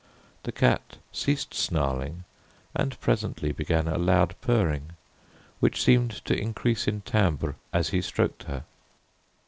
The cat ceased snarling and presently began a loud purring which seemed to increase in timbre as he stroked her.